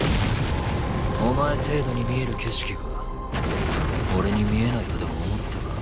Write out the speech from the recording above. お前程度に見える景色が俺に見えないとでも思ったか？